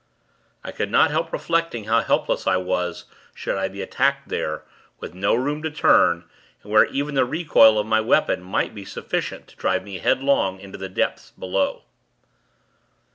I could not help reflecting how helpless I was, should I be attacked there, with no room to turn, and where even the recoil of my weapon might be sufficient to drive me headlong into the depths below.